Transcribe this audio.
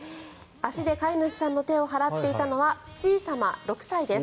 足で飼い主さんの手を払っていたのはちー様、６歳です。